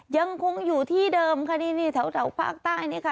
ยังคงอยู่ที่เดิมค่ะนี่แถวภาคใต้เนี่ยค่ะ